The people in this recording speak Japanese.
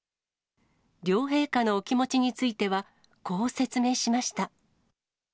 両陛下のお気持ちについては、こう説明しました。